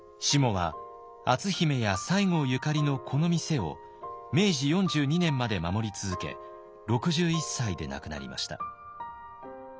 しもは篤姫や西郷ゆかりのこの店を明治４２年まで守り続け６１歳で亡くなりました。